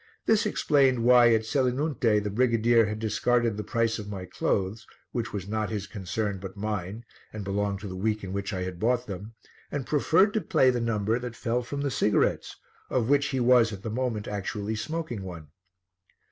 This explained why at Selinunte the brigadier had discarded the price of my clothes, which was not his concern but mine and belonged to the week in which I had bought them, and preferred to play the number that fell from the cigarettes, of which he was at the moment actually smoking one.